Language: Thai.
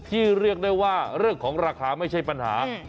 เรียกได้ว่าเรื่องของราคาไม่ใช่ปัญหา